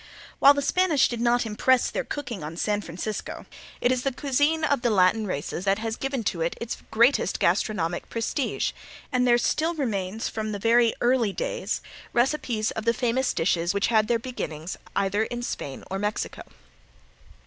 While the Spanish did not impress their cooking on San Francisco, it is the cuisine of the Latin races that has given to it its greatest gastronomic prestige, and there still remains from those very early days recipes of the famous dishes which had their beginnings either in Spain or Mexico.